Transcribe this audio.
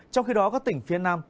trong khi đó các tỉnh phía nam